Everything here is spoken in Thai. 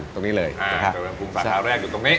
จริง